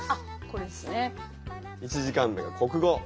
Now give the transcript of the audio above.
１時間目が国語